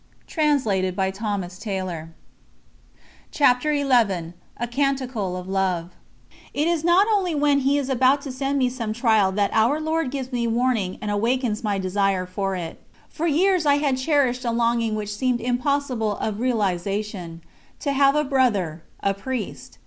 ______________________________ CHAPTER XI A CANTICLE OF LOVE It is not only when He is about to send me some trial that Our Lord gives me warning and awakens my desire for it. For years I had cherished a longing which seemed impossible of realisation to have a brother a Priest.